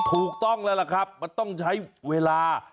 ถูกต้องแล้วล่ะครับมันต้องใช้เวลา